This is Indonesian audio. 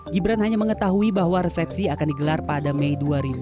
gibran hanya mengetahui bahwa resepsi akan digelar pada mei dua ribu dua puluh